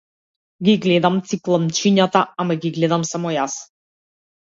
Ги гледам цикламчињата, ама ги гледам само јас.